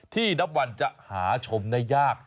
ที่ดับวันจะหาชมในยาก